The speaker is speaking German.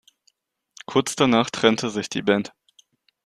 Kurz danach trennte sich die Band.